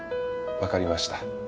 分かりました